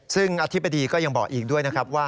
ซึ่งอธิบดีก็ยังบอกอีกด้วยนะครับว่า